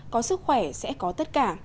có sức khỏe sẽ có tất cả